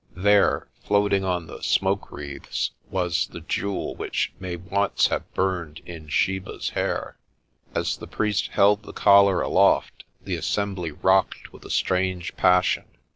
There, floating on the smoke wreaths, was the jewel which may once have burned in Sheba's hair. As the priest held the collar aloft, the assembly rocked with a strange passion.